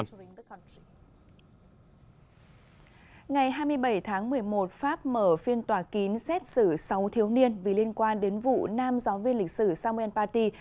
ngày hai mươi bảy tháng một mươi một pháp mở phiên tòa kín xét xử sáu thiếu niên vì liên quan đến vụ nam giáo viên lịch sử samuel paty